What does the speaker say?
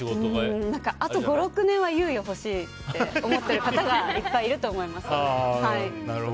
あと５６年は猶予ほしいって思っている方いっぱいいると思いますね。